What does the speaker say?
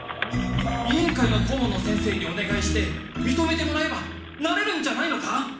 委員会の顧問の先生におねがいしてみとめてもらえばなれるんじゃないのか！